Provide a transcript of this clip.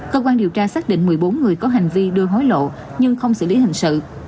cơ quan điều tra xác định một mươi bốn người có hành vi đưa hối lộ nhưng không xử lý hình sự